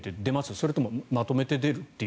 それとも、まとめて出るという？